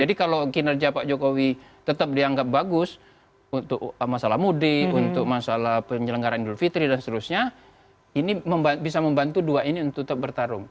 jadi kalau kinerja pak jokowi tetap dianggap bagus untuk masalah mudik untuk masalah penyelenggaraan idul fitri dan seterusnya ini bisa membantu dua ini untuk tetap bertarung